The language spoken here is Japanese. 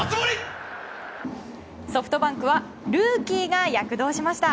ソフトバンクはルーキーが躍動しました。